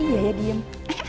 iya ya diem